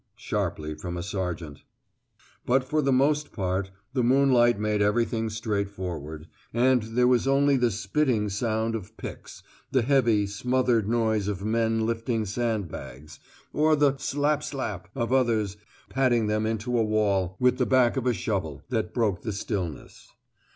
sharply from a sergeant. [Illustration: Good sand bag work.] But for the most part the moonlight made everything straightforward, and there was only the spitting sound of picks, the heavy, smothered noise of men lifting sand bags, or the "slap, slap" of others patting them into a wall with the back of a shovel, that broke the stillness.